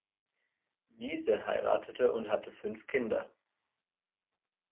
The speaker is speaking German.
Giese heiratete und hatte fünf Kinder.